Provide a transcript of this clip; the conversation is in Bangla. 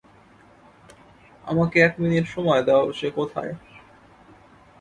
আমাকে এক মিনিট সময় দাও সে কোথায়?